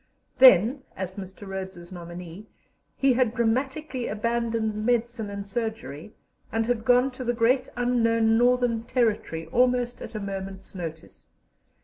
Then, as Mr. Rhodes's nominee, he had dramatically abandoned medicine and surgery, and had gone to the great unknown Northern Territory almost at a moment's notice.